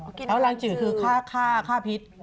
แล้วรังจืดคือค่าพิษ